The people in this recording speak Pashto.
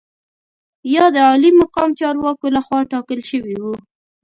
یا د عالي مقام چارواکو لخوا ټاکل شوي وو.